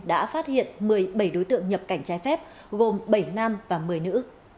đã phát hiện một mươi bảy đối tượng nhập cảnh trái phép gồm bảy nam và một mươi nữ